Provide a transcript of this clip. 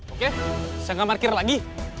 oke saya gak markir lagi